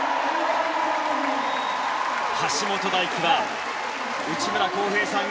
橋本大輝は内村航平さん